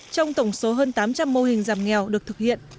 trong tổng số hơn tám trăm linh mô hình giảm nghèo được thực hiện